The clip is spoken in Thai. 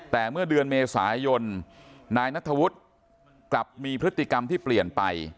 แต่เมื่อเดือนเมษายนนายนัทธวุฒิกลับมีพฤติกรรมที่เปลี่ยนไป